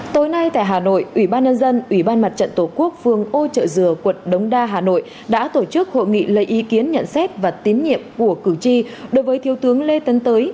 tối nay tại hà nội ủy ban nhân dân ủy ban mặt trận tổ quốc phương ô trợ dừa quận đống đa hà nội đã tổ chức hội nghị lấy ý kiến nhận xét và tín nhiệm của cử tri đối với thiếu tướng lê tấn tới